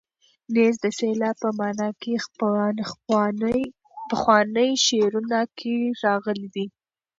نیز د سیلاب په مانا په پخوانیو شعرونو کې راغلی دی.